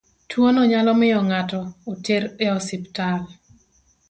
Tuono nyalo miyo ng'ato oter e osiptal.